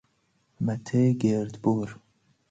مته گردبر